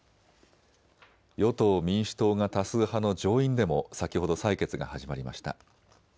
与党・民主党が多数派の上院でも先ほど採決が始まりました。